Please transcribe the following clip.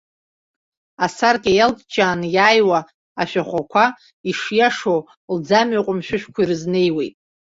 Асаркьа иалҷҷаны иааиуа ашәахәақәа, ишиашоу, лӡамҩа ҟәымшәышәқәа ирызнеиуеит.